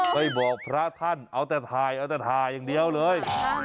ไปบอกพระท่านเอาแต่ถ่ายอย่างเดียวเลย